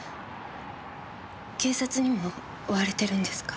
警察にも追われてるんですか？